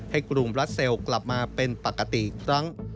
ให้กรุงรัสเซลกลับมาเป็นปกติครั้ง